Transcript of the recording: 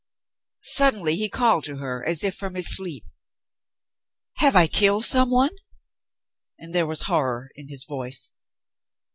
Suddenly he called to her as if from his sleep, "Have I killed some one ?" and there was horror in his voice.